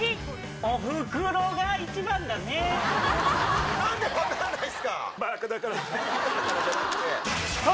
おふくろが一番だねー。